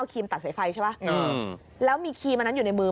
มันกลับมาที่สุดท้ายแล้วมันกลับมาที่สุดท้ายแล้ว